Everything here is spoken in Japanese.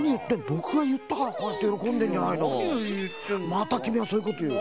またきみはそういうこという。